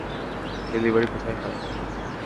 Delivery কোথায় হয়?